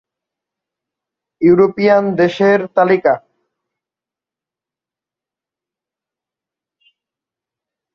European দেশের তালিকা